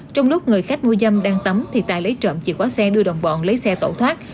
trong lúc người khách mua dâm đang tắm thì tài lấy trộm chìa khóa xe đưa đồng bọn lấy xe tẩu thoát